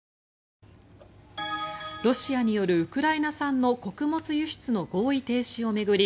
ロシアによるウクライナ産の穀物輸出の合意停止を巡り